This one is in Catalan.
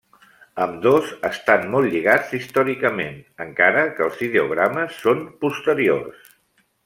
Ambdós estan molt lligats històricament, encara que els ideogrames són posteriors.